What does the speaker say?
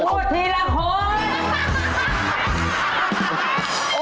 โอ้โฮ